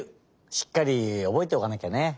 しっかりおぼえておかなきゃね。